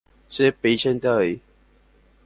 Che péichante avei.